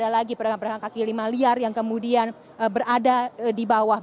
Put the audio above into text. ada lagi pedagang pedagang kaki lima liar yang kemudian berada di bawah